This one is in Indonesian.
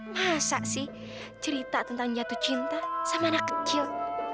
masa sih cerita tentang jatuh cinta sama anak kecil